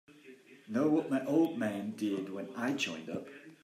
Know what my old man did when I joined up?